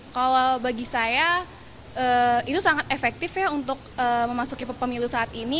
kalau bagi saya itu sangat efektif ya untuk memasuki pemilu saat ini